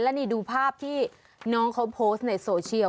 แล้วนี่ดูภาพที่น้องเขาโพสต์ในโซเชียล